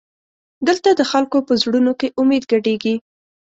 دلته د خلکو په زړونو کې امید ګډېږي.